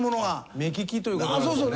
目利きということなんですよね。